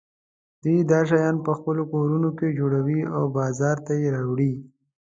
دوی دا شیان په خپلو کورونو کې جوړوي او بازار ته یې راوړي.